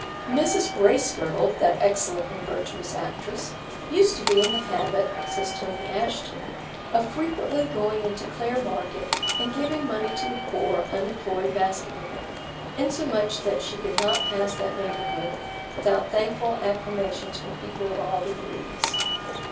[Illustration: DRURY LANE THEATRE, 1806.] Mrs. Bracegirdle, that excellent and virtuous actress, used to be in the habit (says Tony Ashton) of frequently going into Clare market and giving money to the poor unemployed basketwomen, insomuch that she could not pass that neighbourhood without thankful acclamations from people of all degrees.